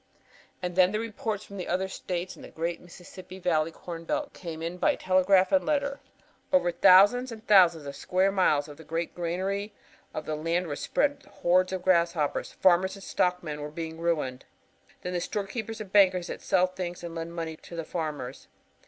"And then the reports from the other states in the great Mississippi Valley corn belt came in by telegraph and letter. Over thousands and thousands of square miles of the great granary of the land were spread the hordes of hoppers. Farmers and stockmen were being ruined. Then the storekeepers and bankers that sell things and lend money to the farmers.